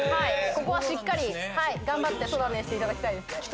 ここはしっかり頑張って「そだねー」していただきたいです。